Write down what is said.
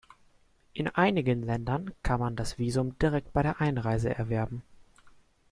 In einigen Ländern kann man das Visum direkt bei der Einreise erwerben.